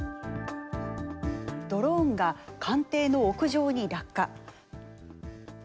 ドローンが官邸の屋上に落下。